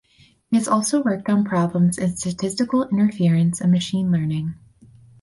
He has also worked on problems in statistical inference and machine learning.